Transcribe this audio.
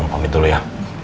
om panggil dulu ya